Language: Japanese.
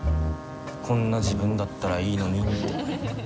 「こんな自分だったらいいのに」って。